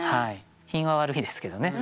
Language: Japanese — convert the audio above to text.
品は悪いですけどね。